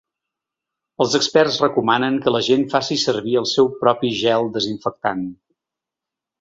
Els experts recomanen que la gent faci servir el seu propi gel desinfectant.